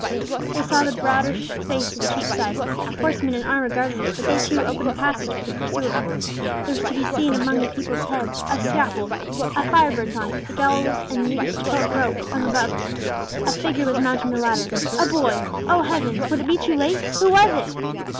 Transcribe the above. They saw the broader space of Cheapside. Horsemen in armour guarded it, but they too opened a passage for the pursuivant. There was to be seen above the people's heads a scaffold. A fire burnt on it—the gallows and noosed rope hung above. A figure was mounting the ladder. A boy! Oh, Heavens! would it be too late? Who was it?